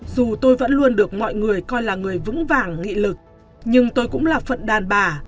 dù tôi vẫn luôn được mọi người coi là người vững vàng nghị lực nhưng tôi cũng là phận đàn bà